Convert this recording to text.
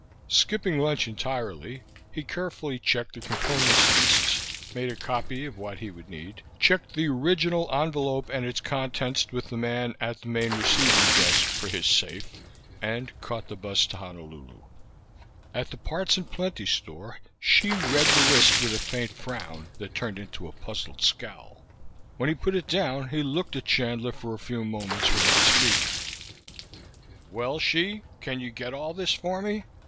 Skipping lunch entirely, he carefully checked the components lists, made a copy of what he would need, checked the original envelope and its contents with the man at the main receiving desk for his safe, and caught the bus to Honolulu. At the Parts 'n Plenty store, Hsi read the list with a faint frown that turned into a puzzled scowl. When he put it down he looked at Chandler for a few moments without speaking. "Well, Hsi? Can you get all this for me?"